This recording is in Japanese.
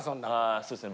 そうですね